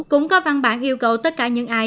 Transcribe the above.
cũng có văn bản yêu cầu tất cả những ai